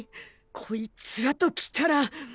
こいつらときたら。